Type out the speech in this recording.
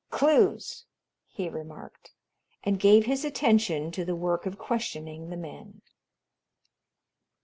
"Clues," he remarked, and gave his attention to the work of questioning the men.